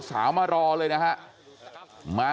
กลับไปลองกลับ